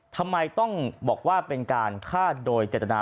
ทำไมต้องบอกว่าเป็นการฆ่าโดยเจตนา